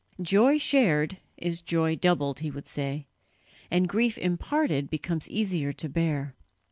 "Joy shared is joy doubled," he would say, "and grief imparted becomes easier to bear."